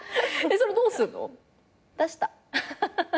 それどうするの？出した。